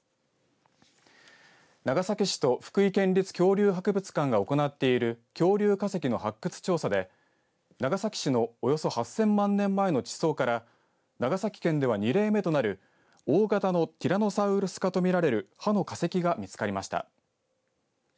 長崎市と福井県立恐竜博物館が行っている恐竜化石の発掘調査で長崎市のおよそ８０００万年前の地層から長崎県では２例目となる大型のティラノサウルス科と見られる歯の化石が見つかりました。